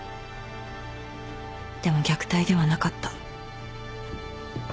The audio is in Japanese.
でも虐待ではなかった。